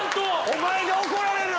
お前が怒られる！